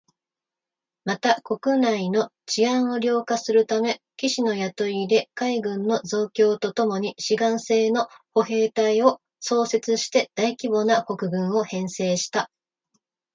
また、国内の治安を良化するため、騎士の雇い入れ、海軍の増強とともに志願制の歩兵隊を創設して大規模な国軍を編成した